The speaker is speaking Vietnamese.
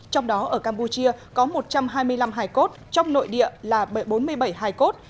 trong đó ở campuchia có một trăm hai mươi năm hải cốt trong nội địa là bốn mươi bảy hải cốt